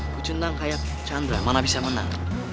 kuchenang kayak chandra mana bisa menang